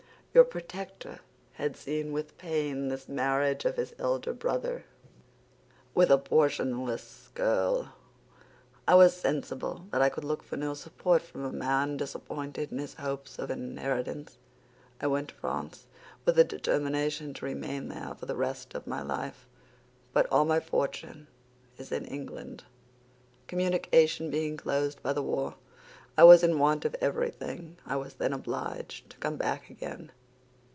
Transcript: Your protector had seen with pain this marriage of his elder brother with a portionless girl. I was sensible that I could look for no support from a man disappointed in his hopes of an inheritance. I went to France, with a determination to remain there for the rest of my life. But all my fortune is in England. Communication being closed by the war, I was in want of everything. I was then obliged to come back again.